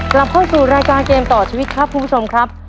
กลับเข้าสู่รายการเกมต่อชีวิตครับคุณผู้ชมครับ